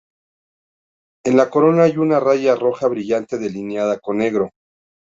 En la corona hay una raya roja brillante delineada con negro.